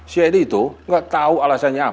si edi itu nggak tahu alasannya apa